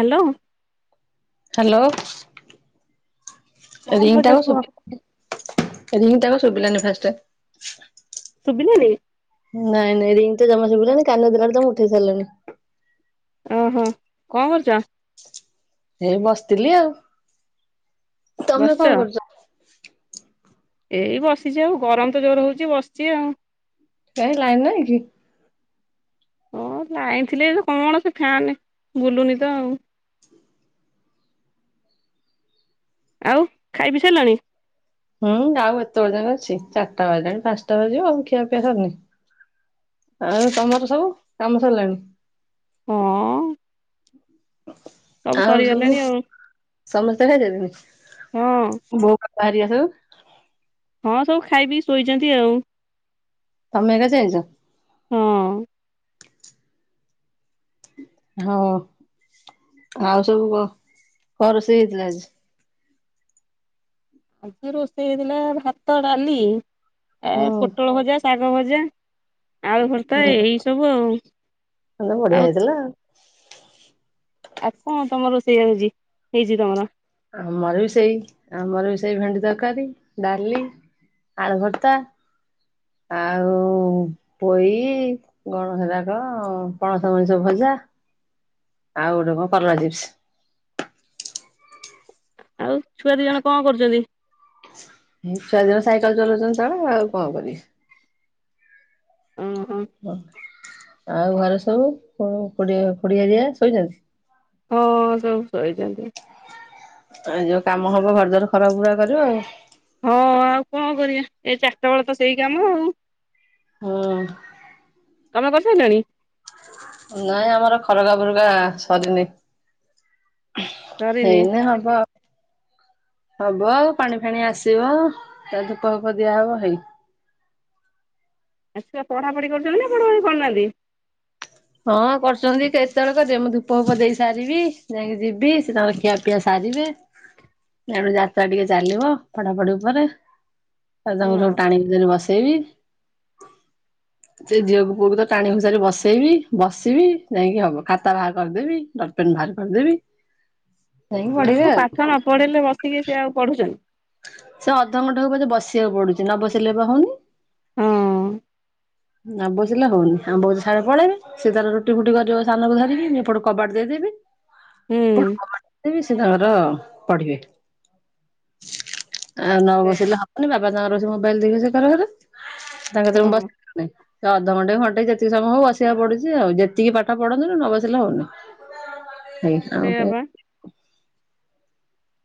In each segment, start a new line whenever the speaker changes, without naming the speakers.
Hello.
Hello.
ହଁ ଭାଉଜ
ରିଙ୍ଗଟା
କୁହ
ଶୁଭିବନି। ରିଙ୍ଗ ଟା ଶୁଭିଲାଣି ଫାଷ୍ଟ ଟେ।
[unintelligible] ଦେଇ
ନାଇଁ ନାଇଁ ରିଙ୍ଗ ତ ଜମା ଶୁଭିଲାଣିି କାନରେ ଦେଲାନୁ ତୁମେ ଉଠେଇ ସାରିଲାଣି।
ଓହୋ କଣ କରୁଛ?
ହେଇ ବସିଥିଲି ଆଉ। ତମେ
ବସିଛ?
କଣ କରୁଛ?
ଏଇ ବସିଛି ଆଉ ଗରମ ତ ଜୋର ହଉଛି ବସିଛି ଆଉ।
କହି ଲାଇନ ନାଇଁ କି?
ହଁ ଲାଇନ ଥିଲା ଯେ କଣ ସେ ଫ୍ୟାନ ଫ୍ୟାନେ ବୁଲୁନି ତ ଆଉ। ଆଉ ଖାଇ ପି ସାରିଲାଣି?
ହୁଁ ଆଉ ଏତେ ପର୍ଯ୍ୟନ୍ତ ଅଛି ଚାରିଟା ବାଜାଣି ପାଞ୍ଚଟା ବାଜିବ ଆଉ ଖିଆ ପିଆ ସରୁନି। ଆଉ ତମର ସବୁ କାମ ସରିଲାଣି?
ହଁ।
ଆଉ ସବୁ
ସରିଗଲାଣି ଆଉ
ସମସ୍ତେ ଖାଇ ସାରିଲେଣି
ହଁ
ଭୋକ ଆରିଆ। [unintelligible]
ହଁ ସବୁ ଖାଇ ପିଇ ଶୋଇଛନ୍ତି ଆଉ।
ତମେ ଏକା ଚେଇଚ
ହଁ
ହଁ ଆଉ ସବୁ କ କଣ ରୋଷେଇ ହେଇଥିଲା ଆଜି?
ଆଜି ରୋଷେଇ ହେଇଥିଲା ଭାତ ଡାଲି ଏ
ହୁଁ।
ପୋଟଳ ହଜାର ଶାଗ ଭଜା। ଆଳୁ ଭର୍ତା ଏଇ ସବୁ ଆଉ ଆଉ-
ତ
ଆଉ କଣ ତମର ସେଇ ହେଉଛି ହେଇଛି ତମର?
ଆମର ବି ସେଇ ଆମର ବି ସେଇ ଭେଣ୍ଡି ତରକାରୀ ଡାଲି ଆଳୁ ଭର୍ତ୍ତା ଆଉ ପୋଇ ହେଇଟା କଣ ପଣସ ଭଜା ଆଉ ଗୋଟେ କଣ କଲରା ଚିପ୍ସ।
ଆଉ ଛୁଆ ଦି ଜଣ କଣ କରୁଛନ୍ତି?
ଏଇ [unintelligible] ଆଉ କଣ କରିବି?
ଓହୋ
ହ ଆଉ ଘରେ ସବ୍ ସବୁ [unintelligible] ପଡିଆ ରେ ଶୋଇଛନ୍ତି?
ହଁ ସବୁ ଶୋଇଛନ୍ତି।
ଆଉ ଯୋଉ କାମ ହବ [unintelligible] ଖରା ବୁରା କରିବ ଆଉ।
ହଁ ଆଉ କଣ କରିବା ଏ ଚାରିଟା ବେଳ ତ ସେଇ କାମ ଆଉ।
ହଁ।
ତମେ କରି ସରିଲାଣି?
ନାଇଁ ଆମର [unintelligible] ସରିନି।
ସରିନି
ହେଇନି ହବ। ହବ ଆଉ ପାଣି ଫାଣି ଆସିବ ତା ଧୂପ ଫୁପ ଦିଆହବ ହେଇ
ଏ ସିୟେ ପଢାପଢି କରୁଛନ୍ତି ନା ପଢାପଢି କରୁନାହାନ୍ତି।
ହଁ କରୁଛନ୍ତି କେତେବେଳକୁ ଯ ମୁଁ ଧୂପ ଫୁପ ଦେଇ ସାରିବି ଯାଇକି ଯିବି ସେ ତାଙ୍କର ଖିଆପିଆ ସାରିବେ ଏଣ ଯାତ୍ରା ଟିକେ ଚାଲିବ ପଢାପଢି ଉପରେ ଆ ତାଙ୍କୁ ସବୁ
ହଁ
ଟାଣିକି ବସେଇବି ସେ ଝିଅକୁ ପୁଅକୁ ତ ଟାଣି ଘୋସାରି ବସେଇବି। ବସିବି ଯାଇକି ହବ ଖାତା ବାହାର କରିଦେବି ଡ଼ଟ୍ ପେନ୍ ବାହାର କରିଦେବି। ଯାଇକି ପଢିବେ
ଗୁଆଙ୍କୁ
ଆଉ
ପାଠ ନ ପଢେଇିଲେ ବସିକି ସେ ଆଉ ପଢୁଛନ୍ତି।
ସେ ଅଧଘଣ୍ଟାକୁ ମତେ ବସିବାକୁ ପଡୁଛି ନ ବସେଇିଲେ ବା ହଉନି।
ହଁ
ନ ବସିଲେ ହଉନି ବଡ ସାର ପଳେଇବେ ସି ତା ତାର ରୁଟି ଫୁଟି କରିବ ସାନକୁ ଧରିକି ଏପଟେ କବାଟ ଦେଇଦେବି।
ହୁଁ
[unintelligible] ସେ ତାଙ୍କର ପଢିବେ। ଆଉ ନ
ସେଇଆ
ବସିଲେ ହବନି ବାବା ଜାଙ୍କ ର ଅ ମୁଁ। [unintelligible] ତାଙ୍କ।
ହଁ
[unintelligible] ସେ ଅଧଘଣ୍ଟେ ଘଣ୍ଟେ ଯେତିକି ସମୟ ବସିବାକୁ ପଡୁଛି ଆଉ ଯେତିକି ପାଠ ପଢନ୍ତୁ ନ ବସିଲେ ହଉନି।
ସେଇଆ ବା
[unintelligible]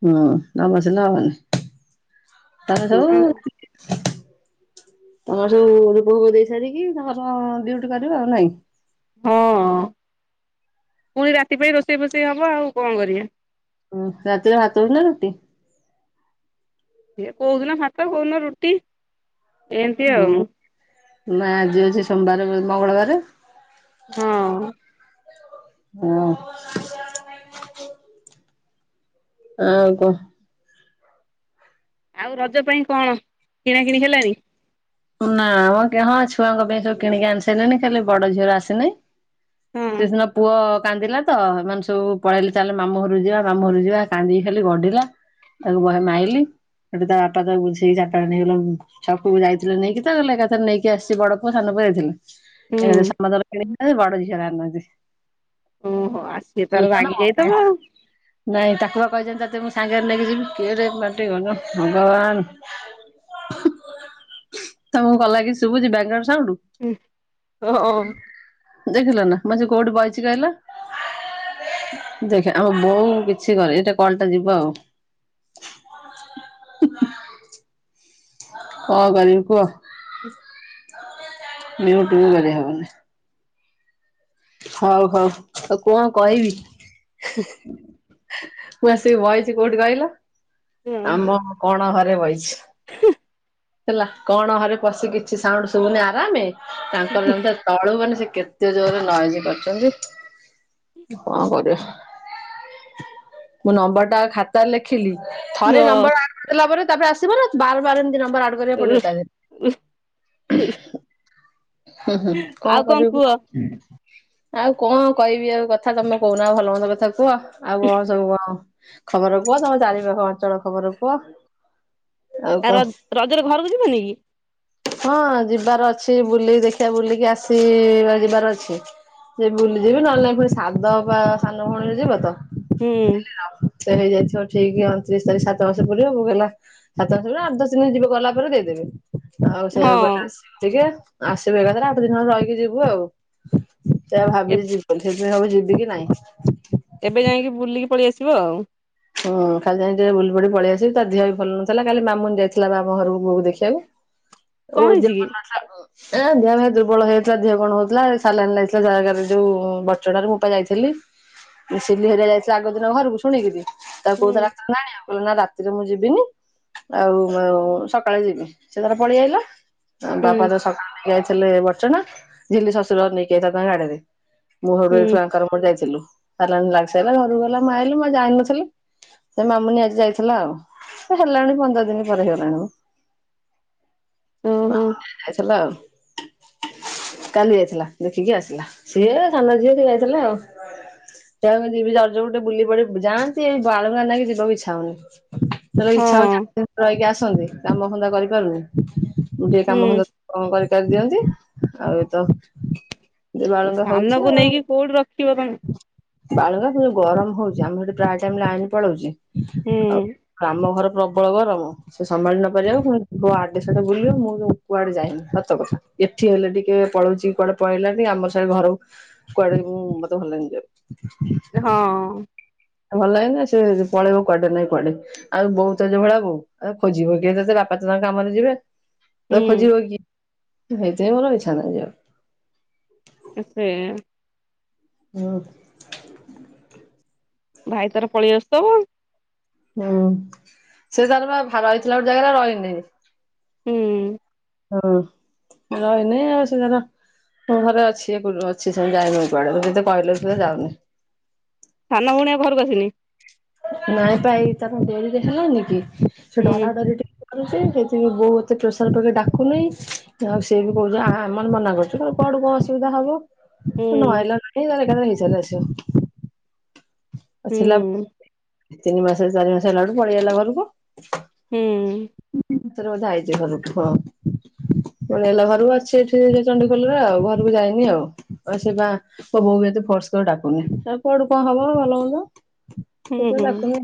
ହଁ ଆମ ସିନା ହବନି। ତମେ ସବୁ
ଛୁଆଙ୍କୁ
ତମର ସବୁ ରୂପକୁ ଦେଇ ସାରିକି [unintelligible] ଡିଉଟି କରିବ ଆଉ ନାଇଁ
ହଁ ପୁଣି ରାତି ପାଇଁ ରୋଷେଇ ଫୋଷେଇ ହବ ଆଉ କଣ କରିବା?
ହୁଁ ରାତିରେ ଭାତ ନା ରୁଟି
ଏ କୋଉଦିନ ଭାତ କୋଉ ରୁଟି। ଏମିତି ଆଉ
ହୁଁ ନା ଆଜି ଅଛି ସୋମବାର ଉ ମଙ୍ଗଳବାର
ହଁ।
ହଁ। ଆଉ କହ।
ଆଉ ରଜ ପାଇଁ କଣ କିଣା କିିଣି ହେଲାଣି?
ନା ଆ ମ କି ହଁ ଛୁଆଙ୍କ ପାଇଁ ସବୁ କିଣିକି ଆଣି ସାରିଲଣି ଖାଲି ବଡ ଝିଅର ଆସିନି।
ହଁ
ସେ ସିନା ପୁଅ କାନ୍ଦିଲା ତ ଏମାନେ ସବୁ ପଳେଇଲେ ଚାଲେ ମାମୁଁ ଘ ଯିବା ମାମୁଁ ଘରୁ ଯିବା କାନ୍ଦିକି ଖାଲି ଗଢିଲା ତାକୁ ବହେ ମାଇଲି ସେଠି ତା ବାପା ତାକୁ ବୁଝେଇକି ଚାରିଟା ନେଇଗଲେ ଛକକୁ ଯାଇ ଥିଲେ ନେଇକି ତ ଗଲେ ଏକାଥରେ ନେଇକି ଆସି ବଡ ପୁଅ ସାନ ପ ଯାଇଥିଲେ।
ହୁଁ
ଏବେ ତ ସମସ୍ତଙ୍କର କିଣିବେ। ଆ ବଡ଼ ଝିଅ ର
ଓହୋ ଆ ସିଏ ତାର ରାଗି
[unintelligible]
ଯାଇଥିବ ଆଉ।
[unintelligible] ନାଇଁ ତାକୁ ବା କହିଛନ୍ତି [unintelligible] ମତେ ମୁଁ ସାଙ୍ଗରେ ନେଇକି ଯିବି କେଡ଼େ ପାଟି ଗନ ଭଗବାନ। ତମକୁ ଗଲା କିି ଶୁଭୁଛି ବ୍ୟାଗ୍ରାଉଣ୍ଡ
ହୁଁ ଅଁ ଅଁ।
ଦେଖିଲ ନା ମ କୋଉଠି ବହିଛିି କହିଲା ଦେଖ ଆମ ବୋଉ କିଛି କରେ ଏଇଟା କଲଟା ଯିବା ଆଉ। କ କରିବି କୁହ? ମୁଉଟୁ ବି କରି ହେବନି। ହଉ ହଉ ଆଉ କଣ କହିବି? ମୁଁ ଆସିକି ବଇଛି କୋଉଠି କହିଲ
ହଁ
ଆମ କଣ ଘରେ ବଇଛି ହେଲା କଣ ଘରେ ପଶିକି କିଛି ସାଉଣ୍ଡ ଶୁଭୁନି ଆରାମେ। ତାଙ୍କର ଯେମିତା ତଳୁ ମାନେ ସେ କେତେ ଜୋରରେ ନଏଜ୍ କରିଛନ୍ତି କଣ କରିବ? ମୁଁ ନମ୍ବର ଟା ଆଗେ ଖାତାରେ ଲେଖିଲି। ଥରେ ନମ୍ବର ଆସିଲା ପରେ ତାପରେ ଆସିବ ନା ବାର ବାର ଏମିତି ନମ୍ବ ଆଡ କରିବାକୁ ପଡିବ ତା ଦେହରେ ହୁଁ ହୁଁ କଣ
ଆଉ
କରିବି
କୁହ
କୁ ଆଉ କଣ କହିବି ଆଉ କଥା ତମେ କହୁନା ଭଲ ମନ୍ଦ କଥା କୁହ। ଆଉ କଣ ସବୁ କଣ? ଖବର କୁହ ତମ ଚାରି ପାଖ ଅଞ୍ଚଳ ଖବର କୁହ। ଆଉ
ଆ
କଣ
ର ରଜରେ ଘରକୁ ଯିବନି କି?
ହଁ ଯିବାର ଅଛି ବୁଲେଇ ଦେଖିଆ ବୁଲିକି ଆସି ବା ଯିବାର ଅଛି ଯେ ବୁଲି ଯିବି ନହେଲେ ନାଇ ପୁଣି ସାଦ ବା ସାନ ଭଉଣୀରେ ଯିବ ତ।
ହୁଁ।
ସେ ହେଇଯାଇଥିବ ଠିକ ଅଣତିରିଶ ତାରିଖ ସାତ ମାସ ପୁରିବ ମୁ ହେଲା ସାତ ମାସ ପୁରିବ ଆଠ ଦଶ ଦିନ ଯିବି ଗଲା ପରେ ଦେଇଦେବି। ଆଉ ସେଇଆ କୁ କହିଲେ
ହଁ
ଆସିବୁ ଟିକେ। ଆସିବୁ ଏକାଥରେ ଆଠ ଦିନ ହେବ ରହିକି ଯିବୁ ଆଉ। ସେଇଆ ଭାବିଛି ଯିବି ବୋଲି। ସେଇଆକୁ ଯିବି କି ନାଇଁ
ଏବେ ଯାଇଁକି ବୁଲିକି ପଳେଇ ଆସିବ ଆଉ।
ହଁ କାଲି ଯାଇଁ କି ଟିକେ ବୁଲି ପଡିକି ପଳେଇଆସିବି ତା ଦିହ ବି ଭଲ ନଥିଲା କାଲି ମାମୁନି ଯାଇଥିଲା ପା ଆମ ଘରକୁ ବୋଉକୁ ଦେଖିବାକୁ । ଓ
କଣ ହେଇଛି କି?
ଜୀବନ ସାଗୋ। ଏ ଦେହ ଫେଅ ଦୁର୍ବଳ ହେଇଯାଇଥିଲା ଦିହ କଣ ହଉଥିଲା ସାଲାଇନ ଲାଗିଥିଲା ଜାରକା ରେ ଯୋଉ ବଡଚଣାରେ ମୁଁ ପା ଯାଇଥିଲି ସିଲି ହେରିଆ ଯାଇଥିଲେ ଆଗ ଦିନ ଘରକୁ ଶୁଣିକିରି। ତ କୋଉଥିରେ
ହୁଁ
[unintelligible] ଆଣିବ। ନା ରାତିରେ ମୁଁ ଯିବିନି ଆଉ ଉ ସକାଳେ ଯିବି ସେ ତାର ପଳେଇଆଇଲେ ।
ହୁଁ
ବାପା ତ ସକ ଇଏ ଯାଇଥିଲେ ବଡଚଣା ଝିଲି ଶଶୁର ଘର ନେଇକି ତାକୁ ଆଣିବେ। ମୁଁ ଘରୁ ଏଇଠୁ
ହୁଁ
ଆଙ୍କରଙ୍କ ଯାଇଥିଲି। ଆଲାମ୍ ଲାଗିସାଇଲା ଘରକୁ ଗଲା ମୁଁ ଆଇଲି ମୁଁ ଯାଇନଥିଲି। ସେ ମାମୁନି ଆଜି ଯାଇଥିଲା ଆଉ ଏ ହେଲାଣି ପନ୍ଦର ଦିନ ପରେ ହେଇଗଲାଣି ମ। ବା
ଓହୋ
ଆସିଲା ଆଉ। କାଲି ଯାଇଥିଲା ଦେଖିକି ଆସିଲା ସିଏ ସାନ ଝିଏ ସିଏ ଯାଇଥିଲେ ଆଉ ସେଇଆକୁ ଯିବି ରଜ କୁ ଟିକେ ବୁଲି ପଡିବି ଯାଆ ସେ ଜାଳୁଙ୍ଗା କଗି ଯିବାକୁ ଇଚ୍ଛା ହଉନି। ତୋର ଇଚ୍ଛା ହଉଛି
ହଁ
ତୁ ଯାଇକି ଆସ। ଅଛନ୍ତି କାମ ଧନ୍ଦା କରିପାରୁନି। ଯିଏ କାମ ଭଲ
ହୁଁ
କଣ କରିବୁ? କରିଦିଅନ୍ତୁ ଆଉ ଏ ତ ବାଳୁଙ୍ଗା ହଉଛି
ସାନକୁ
ଆଉ।
ନେଇକି କୋଉଠି ରଖିବ ତମେ?
ବାଳୁଙ୍ଗା [unintelligible] ଗରମ ହଉଛି ଆମର ସେଠି ପ୍ରାୟ ଲାଇନ ପଳଉଛି।
ହୁଁ।
ଆଉ ଆମ ଘର ପ୍ରବଳ ଗରମ ସେ ସମ୍ଭାଳି ନ ପାରିବାକୁ ପୁଣି ପୁଅ ଇଆଡେ ସିଆଡେ ବୁଲିବ ମୁଁ କୁଆଡେ ଯାଇନି ସତ କଥା ଏଠି ହେଲେ ଟିକେ ପଳଉଚଛି କୁଆଡେ ପଳେଇଲାଣି ଆମର ସିଆଡେ ଘରକୁ କୁଆଡେ ମୁଁ ମତେ ଭଲ ଲାଗେନି ଯିବାକୁ ।
ହଁ
ଭଲ ଲାଗେନା ସେ ପଳେଇବ କୁଆଡେ ନାଇଁ କୁଆଡେ ଆଉ ବୋଉ ତ ଯୋଉଭଳିଆ ବୋଉ ଆଉ ଖୋଜିବ କିଏ ତତେ ବାପା ତ ତାଙ୍କ କାମରେ ଯିବେ। ତ
ହୁଁ
ଖୋଜିବ କିଏ? ହେଇଥିପାଇଁ ମୋର ଇଚ୍ଛା ନାହିଁ ଯିବାକୁ।
[unintelligible]
ହୁଁ।
ଭାଇ ତାର ପଳେଇ ଆସିଥିବ ଆଉ।
ହୁଁ ସେ ଜାଗାରେ ଘର ହେଇଥିଲା ଗୋଟେ ଜାଗାରେ ରହିନି।
ହୁଁ।
ହଁ ରହିନି ଆଉ ସୋର ମୁଁ ଘରେ ଅଛି ଅଛି ଯାଇନି ଏ କୁଆଡେ ସେତେ କହିଲେ ସେ ଯାଉନି
ସାନ ଭଉଣୀ ଆଉ ଘରକୁ ଆସିନି?
ନାଇଁ [unintelligible] ଡୋରି ଦେଖିଲନି କି? ସେ ଡରା
ହୁଁ
ଡରି ଟିକେ ସେଥି ବୋଉ ଏତେ ପ୍ରେସର ପକେଇ ଡାକୁନିଁ ଆଉ ସିଏ ବି କହୁଛି ଆ-ହା ଆମର ମନା କରୁଛୁ କୁଆଡୁ କଣ ଅସୁବିଧା ହବ।
ହୁଁ
ନ ଆଇଲ ନାଇଁ ଆଉ ତାରଏକାଥରେ ଚାଲଛ। ଅଛିିଲ
ହୁଁ
ତିନି ମାସ ଚାରି ମାସ ହେଲାଡୁ ପଳେଆଇଲାଘରକୁ।
ହୁଁ।
ଏଥର ବୋଧେ ଆଇଚି ଘରକୁ। ହଁ ପଲେଆଇଲା ଘରକୁ ଆଉ ଅଛି ଏଇଚଣ୍ଡଖୋଲରେ ଆଉ ଘରକୁ ଯାଇନି ଆଉ ଆଉ ସେ ବା ମୋ ବୋଉବି ଏତେ ଫୋର୍ସ କରି ଡାକୁନି ଆଉ କୁଆଡୁ କଣ ହବ ଭଲ ମନ୍ଦ। ସେତ
ହୁଁ
ଡାକୁନି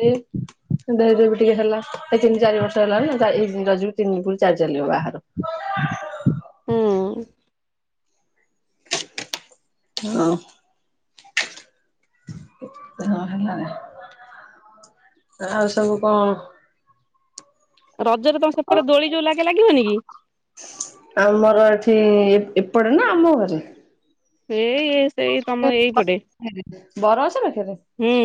ଦେରେ ବି ଟିକେ ହେଲା। ତିନି ଚାରି ବର୍ଷ ହେଲାଣି ଏଇ ର ତିନି ପ ଚାରି ଚାଲିବ ବାହାରୁ
ହୁଁ
ହଁ [inaudible] ହଁ ହେଲା। ଆଉ ସବୁ କଣ?
ରଜରେ ତମେ ସେପଟେ ଦୋଳି ଯୋଉ ଲାଗେ ଲାଗିବନି କି।
ଆମର ଏଠି ଏପଟେ ନା ଆମ ଘରେ?
ଏଇ-ଏ।
[unintelligible] ବରଗଛ ପାଖରେ
ହୁଁ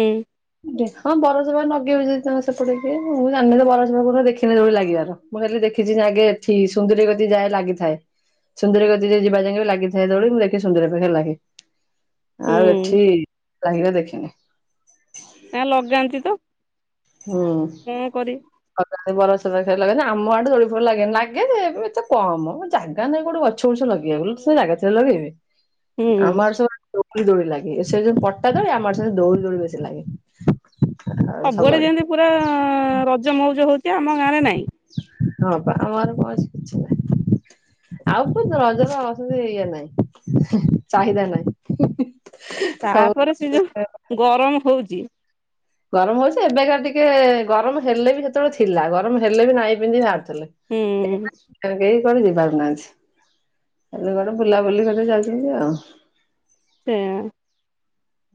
ହଁ ବରସ ପା ନଗେଇ ହ ତା ସେପଟେ କିଏ ମୁଁ ଜାଣିନି ତ ବରସ ପାଖକୁ ଦେଖିନି ଦୌଳି ଲାଗିବାର ମୁଁ ଖାଲି ଦେଖିଛି ଯେ ଆଗେ ଏଠି ସୁନ୍ଦରୀ ଗତି ଯାଏ ଲାଗିଥାଏ ସୁନ୍ଦରୀ ଗ ଯ ଯିବା ଯାଇ ବି ଲାଗିଥାଏ ଦୌଳି ମୁଁ ଦେଖି ସୁନ୍ଦରୀ ପାଖ ହେ ଲାଗି।
ହୁଁ
ଆଉ ଏଠି ଲାଇଘା ଦେଖିକି
ଏ ଲଗାନ୍ତି ତ।
ହୁଁ
କଣ କରିବି
ଲଗାନ୍ତି। ବରସ ଲଗେନ ଆମ ଆଦୋଳିଫୋଳିଲାଗେନି ଲାଗେ ଯେ ଏତେ କମ ଜାଗାାଇଁ ଗୋଟେ ଗଛ ଗୁଛ ଲଗେଇବ ଜାଗା ଥିଲେ ସିନା ଲଗେଇବେ।
ହୁଁ
ଆମର ସବ ଦୋଳି ଲାଗେ ସେ ପଟ୍ଟା ଦରି ଆମ ସାତେ ଦୌଡ଼ି ଦୋଳି ବେଶୀ ଲାଗେ। ଆଉ ସବୁଆଡେ।
ପୁରା ରଜମ ରଜ ହଉଚି। ଏ ଆମ ଗାଁରେ ନାଇଁ।
ଆମର କୌଣସି କିଛି ନାହିଁ ଆଉ କ ରଜର ଇଏ ନାହିଁ ଚାହିଦା ନାହିଁ। ସବୁ
ତାପରେ ସେ ଯୋଉ ଗରମ ହଉଛି।
ଗରମ ହଉଛି ଏବେକା ଟିକେ ଗରମ ହେଲେ ବି ସେତେବେଳେ ଥିଲା ଗରମ ହେଲେ ବି ନାଇଁ ପିନ୍ଧି
ହୁଁ
ଏହେ। କଡ ଯିବାର ନାହାନ୍ତି କଡେ ବୁଲାବୁଲି କରି ଯାଉଛନ୍ତି ଆଉ
ତେଁ।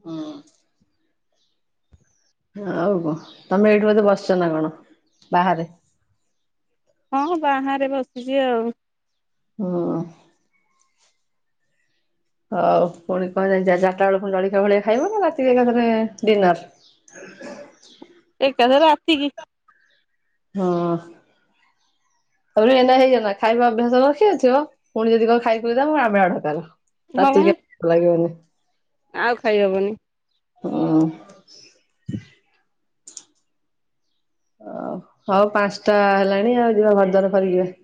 ହଁ। ଆଉ କହ ତମେ ଏଇଠି ବଧେ ବସଛ ନା କଣ ବାହାରେ।
ହଁ ବାହାରେ ବସିଛି ଆଉ
ହଁ। ହଉ ପୁଣି କଣ ଚା ଚରିଟା ବେଳୁ ଜଳିକଆ ଫଳଖିଆ ଖାଇବ ନା ରାତି ଏକାଥରେ ଡିିନର।
ଏକ ଥରେ ରାତି କି।
ହଁ ତାପରେ ଏନା ହେଇଯନା ଖାଇବା ଅଭ୍ୟାସ ରଖି ଥିବ ପୁଣି ଯଦି କଣ ଖାଇକ [unintelligible] ଆ ତୁ
ହବ
କେ ଭଲଲଗିବନି।
ଆଉ ଖାଇ ହବନି।
ହ। ଓ ହଉ ପାଞ୍ଚଟା ହେଲାଣି ଆଉ ଯିବା ଘର ଦୁଆର ଫରକିବା ।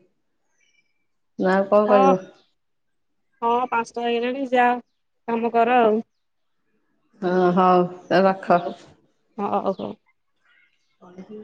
ହଁ ହଁ ପାଞ୍ଚ ଟା ହେଇଗଲଣି ଯା। କାମ କର ଆଉ।
ହଁ ହଉ। ରଖ।
ହଉ ହ [unintelligible] ହ [inaudible]
ଅନକି [inaudible]